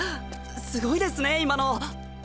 すごいですね今の。